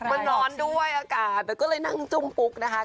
มันร้อนด้วยอากาศก็เลยนั่งจุ้มปุ๊กนะคะ